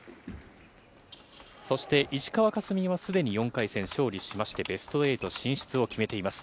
そして石川佳純はすでに４回戦勝利しまして、ベスト８進出を決めています。